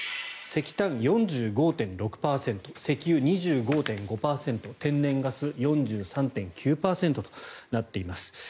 石炭、４５．６％石油、２５．５％天然ガス４３．９％となっています。